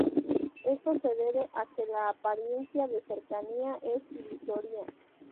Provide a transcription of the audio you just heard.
Esto se debe a que la apariencia de cercanía es ilusoria.